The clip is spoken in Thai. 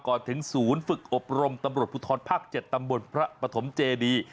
ก่อนถึงศูนย์ฝึกอบรมตำรวจภูทรภาค๗ตำบลพระปฐมเจดี